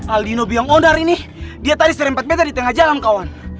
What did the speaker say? aldino biang ondari nih dia tadi serempet beta di tengah jalan kawan